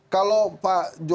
kalau pak jokowi